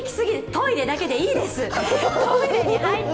トイレだけでいいです！